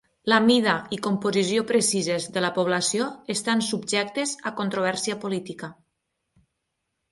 La mida i composició precises de la població estan subjectes a controvèrsia política.